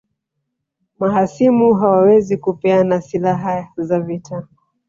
Mahasimu hawawezi kupeana silaha za vita